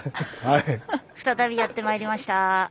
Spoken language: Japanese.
再びやってまいりました。